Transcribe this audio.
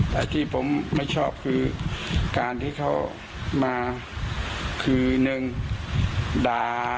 แต่ที่ผมไม่ชอบคือการที่เขามาคือหนึ่งด่า